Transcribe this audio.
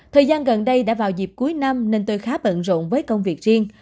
thời gian gần đây đã vào dịp cuối năm nên tôi khá bận rộn với công việc riêng